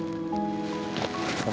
jangan nuduh nuduh aku lagi